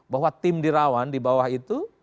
bahwa tim di rawan di bawah itu